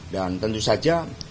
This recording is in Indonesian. dan tentu saja